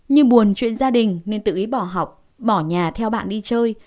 như buồn chuyện gia đình nên tự ý bỏ học bỏ nhà theo bạn đi chơi